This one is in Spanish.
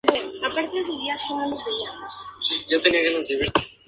Se puede afirmar que en todos los meses del año hay una fiesta costumbrista.